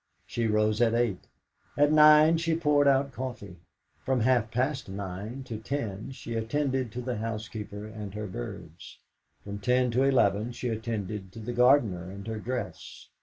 She rose at eight. At nine she poured out coffee. From half past nine to ten she attended to the housekeeper and her birds. From ten to eleven she attended to the gardener and her dress.